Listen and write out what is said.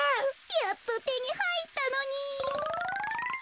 やっとてにはいったのに。